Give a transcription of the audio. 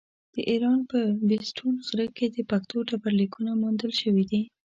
د ايران په بېستون غره کې د پښتو ډبرليکونه موندل شوي دي.